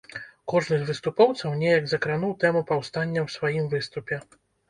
Кожны з выступоўцаў неяк закрануў тэму паўстання ў сваім выступе.